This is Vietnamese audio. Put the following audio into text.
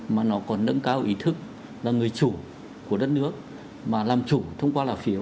mà nó còn nâng cao ý thức là người chủ của đất nước mà làm chủ thông qua là phiếu